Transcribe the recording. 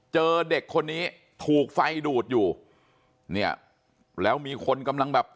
เจอเด็กคนนี้ถูกไฟดูดอยู่เนี่ยแล้วมีคนกำลังแบบ